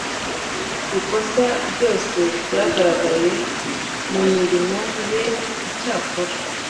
ikosa ryose ryagaragaye mu mirimo ye. Icyakora,